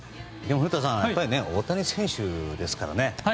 古田さん大谷選手ですからね。